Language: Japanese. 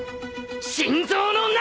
心臓の中！